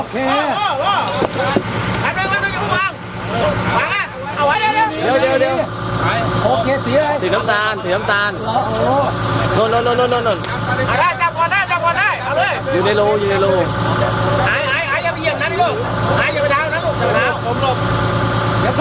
จับไม่ได้ไม่ยอมออกไม่ยอมออก